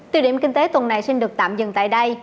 tiêu điểm kinh tế tuần này xin được tạm dừng tại đây